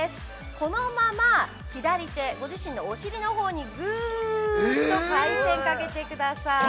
このまま、左手、ご自身のお尻のほうにぐっと回転かけてください。